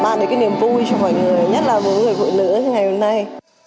bạn ấy cái niềm vui cho mọi người nhất là với người vội nữ ngày hôm nay